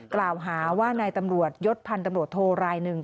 กล่าวหาว่านายตำรวจยศพันธ์ตำรวจโทรรายหนึ่ง